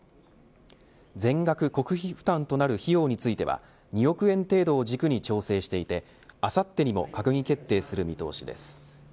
全額国費負担となる費用については２億円程度を軸に調整していてあさってにも閣議決定する見通しです。